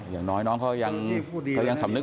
อย่างน้อยน้องเขายังสำนึก